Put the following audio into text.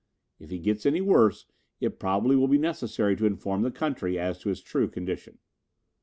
If he gets any worse, it probably will be necessary to inform the country as to his true condition."